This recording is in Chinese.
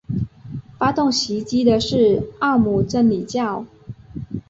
发动袭击的是奥姆真理教。